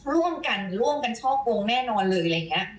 ร่วมกันร่วมกันช่อโกงแน่นอนเลยอะไรอย่างนี้